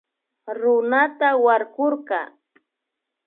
Runata warkurka